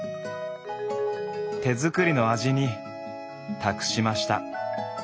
手作りの味に託しました。